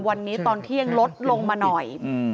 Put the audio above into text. วันนี้ตอนเที่ยงลดลงมาหน่อย